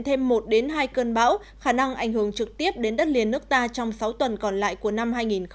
thêm một đến hai cơn bão khả năng ảnh hưởng trực tiếp đến đất liền nước ta trong sáu tuần còn lại của năm hai nghìn hai mươi